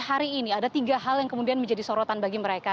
hari ini ada tiga hal yang kemudian menjadi sorotan bagi mereka